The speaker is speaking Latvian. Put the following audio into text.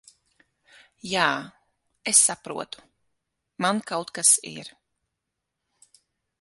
Jā, es saprotu. Man kaut kas ir...